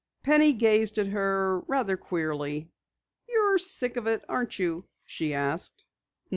Penny gazed at her rather queerly. "You're sick of it, aren't you?" she asked.